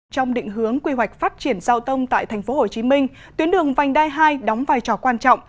trong định hướng quy hoạch phát triển giao thông tại tp hcm tuyến đường vành đai hai đóng vai trò quan trọng